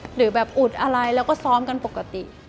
หรือแบบอุดอะไรแล้วก็ซ้อมกันปกติ